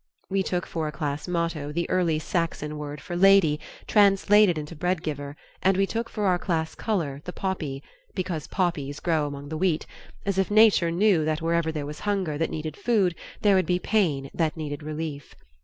We took for a class motto the early Saxon word for lady, translated into breadgiver, and we took for our class color the poppy, because poppies grow among the wheat, as if Nature knew that wherever there was hunger that needed food there would be pain that needed relief.